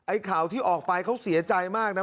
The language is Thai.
ข่าวที่ออกไปเขาเสียใจมากนะ